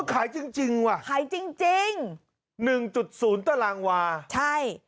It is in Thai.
ขายจริงว่ะขายจริง๑๐ตารางวาใช่